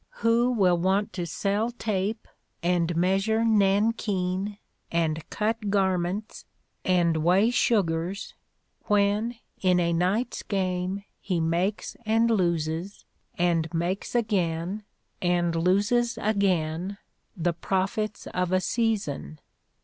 Who will want to sell tape, and measure nankeen, and cut garments, and weigh sugars, when in a night's game he makes and loses, and makes again, and loses again, the profits of a season?